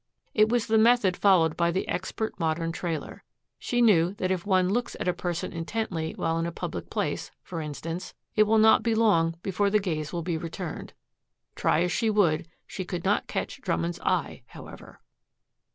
It was the method followed by the expert modern trailer. She knew that if one looks at a person intently while in a public place, for instance, it will not be long before the gaze will be returned. Try as she would, she could not catch Drummond's eye, however.